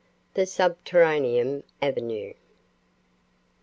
THE SUBTERRANEAN AVENUE.